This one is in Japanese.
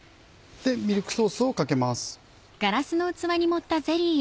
ミルクソースをかけます。